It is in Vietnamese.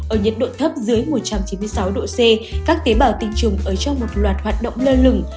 ở nhiệt độ thấp dưới một trăm chín mươi sáu độ c các tế bào tình trùng ở trong một loạt hoạt động lơ lửng